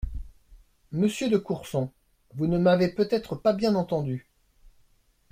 Monsieur de Courson, vous ne m’avez peut-être pas bien entendue.